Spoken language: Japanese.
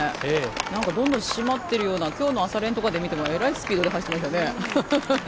なんかどんどん締まってるようなきょうの朝練とか見てもえらいスピードで走ってましたね。